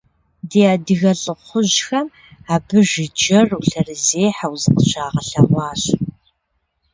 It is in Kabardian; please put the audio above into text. Ди адыгэ лӏыхъужьхэм абы жыджэру, лъэрызехьэу зыкъыщагъэлъэгъуащ.